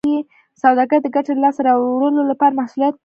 سوداګر د ګټې لاسته راوړلو لپاره محصولات پېري